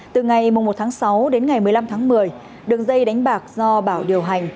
từ ngày một tháng sáu đến ngày một mươi năm tháng một mươi đường dây đánh bạc do bảo điều hành